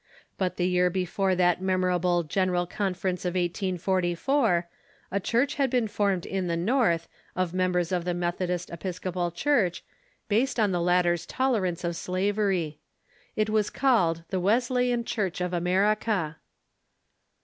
But the year before that memorable General Conference of 1844 a Church had. been formed in the North, of members of the Methodist Episcopal Church, based on the latter's tolerance of slavery. It was called the Wesleyan Church of America.